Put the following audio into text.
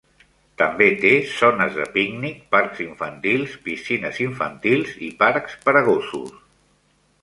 També té zones de pícnic, parcs infantils, piscines infantils i parcs per a gossos.